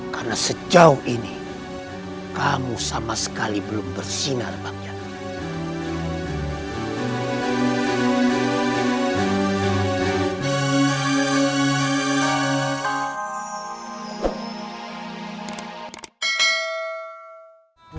karena sejauh ini kamu sama sekali belum bersinar banyak